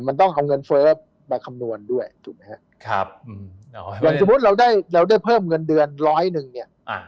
มันต้องเอาเงินเฟ้อมาคำนวณด้วยถูกไหมฮะครับอย่างสมมุติเราได้เราได้เพิ่มเงินเดือนร้อยหนึ่งเนี่ย